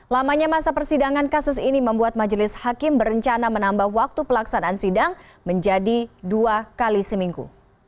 lamanya masa persidangan kasus ini membuat majelis hakim berencana menambah waktu pelaksanaan sidang menjadi dua kali seminggu